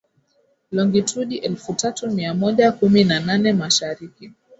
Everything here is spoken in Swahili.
Longitudi elfu tatu mia moja kumi na nane Mashariki